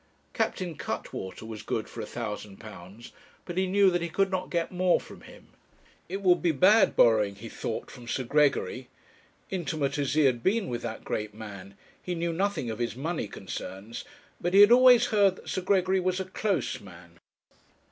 Captain Cuttwater was good for £1,000, but he knew that he could not get more from him. It would be bad borrowing, he thought, from Sir Gregory. Intimate as he had been with that great man, he knew nothing of his money concerns; but he had always heard that Sir Gregory was a close man.